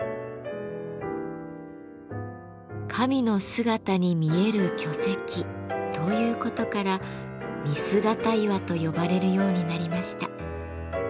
「神の姿に見える巨石」ということから御姿岩と呼ばれるようになりました。